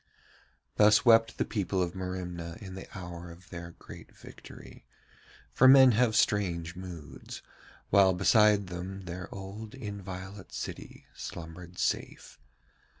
Thus wept the people of Merimna in the hour of their great victory, for men have strange moods, while beside them their old inviolate city slumbered safe.